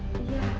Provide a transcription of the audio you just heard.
kau sudah tua